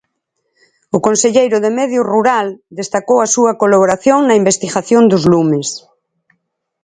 O conselleiro do Medio Rural destacou a súa colaboración na investigación dos lumes.